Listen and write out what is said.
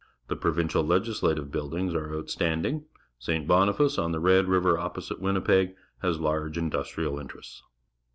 The Provincial Legislative Buildings are outstanding. St. Boniface, on the Red River opposite Winni peg, has large industrial interests.